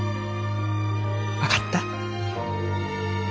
分かった？